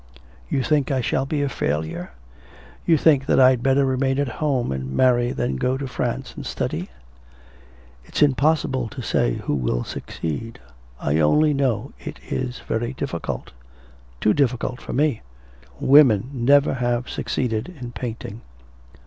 'You think I shall be a failure? You think that I'd better remain at home and marry than go to France and study?' 'It's impossible to say who will succeed. I only know it is very difficult too difficult for me.... Women never have succeeded in painting.'